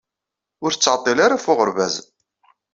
Ur ttɛeṭṭil ara ɣef uɣeṛbaz.